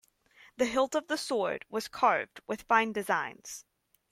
The hilt of the sword was carved with fine designs.